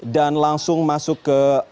dan langsung masuk ke